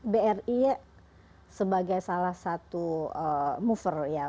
bri sebagai salah satu mover ya